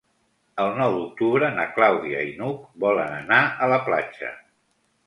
El nou d'octubre na Clàudia i n'Hug volen anar a la platja.